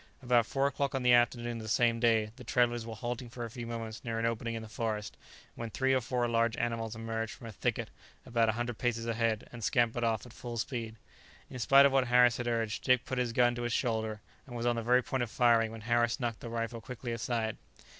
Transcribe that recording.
About four o'clock on the afternoon of the same day, the travellers were halting for a few moments near an opening in the forest, when three or four large animals emerged from a thicket about a hundred paces ahead, and scampered off at full speed. In spite of what Harris had urged, Dick put his gun to his shoulder, and was on the very point of firing, when Harris knocked the rifle quickly aside.